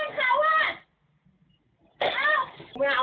ไม่ใช่บ้านขาวอะ